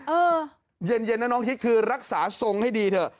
เออเย็นนะน้องฮิตคือรักษาทรงให้ดีเถอะ